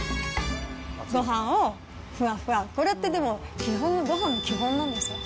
ごはんをふわふわ、これってでも、基本、ごはんの基本なんですよ。